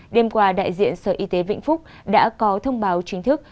đêm qua đại diện sở y tế vĩnh phúc đã có thông báo chính thức